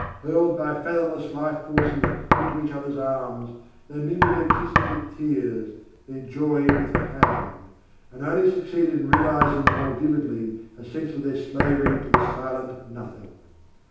Hurled by fathomless life forces into each other's arms, they mingled their kisses with tears, their joy with pain, and only succeeded in realising the more vividly a sense of their slavery to the silent Nothing.